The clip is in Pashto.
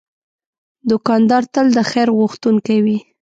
دوکاندار تل د خیر غوښتونکی وي.